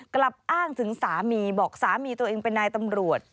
กลับอ้างถึงสามีบอกสามีตัวเองเป็นนายตำรวจ